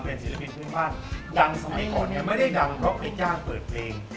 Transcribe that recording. เป็นศิลปินพื้นบ้านดังสมัยก่อนเนี่ยไม่ได้ดังเพราะไปจ้างเปิดเพลง